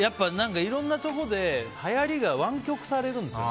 いろんなところではやりが歪曲されるんですよね。